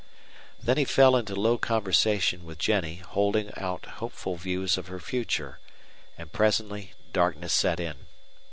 Then he fell into low conversation with Jennie, holding out hopeful views of her future, and presently darkness set in.